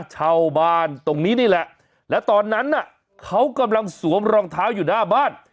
เช่าบ้านตรงนี้นี่แหละแล้วตอนนั้นน่ะเขากำลังสวมรองเท้าอยู่หน้าบ้าน